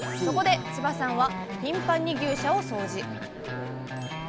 そこで千葉さんは頻繁に牛舎を掃除。